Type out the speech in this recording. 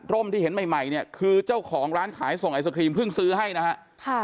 ที่เห็นใหม่เนี่ยคือเจ้าของร้านขายส่งไอศครีมเพิ่งซื้อให้นะฮะ